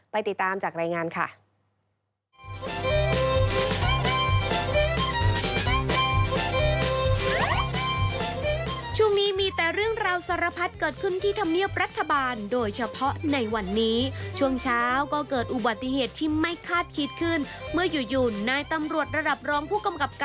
ติดตามจากรายงานค่ะ